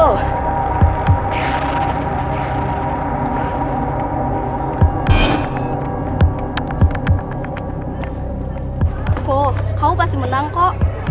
oh kamu pasti menang kok